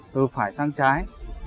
từ phải sang trái